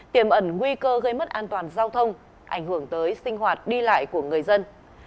tiềm ẩn nguy cơ gây mất an toàn giao thông ảnh hưởng tới sinh hoạt đi lại của người dân